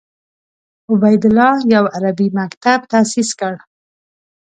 عبیدالله یو عربي مکتب تاسیس کړ.